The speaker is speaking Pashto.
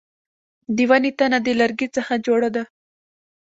د ونې تنه د لرګي څخه جوړه ده